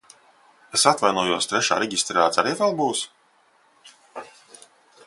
Es atvainojos, trešā reģistrācija arī vēl būs!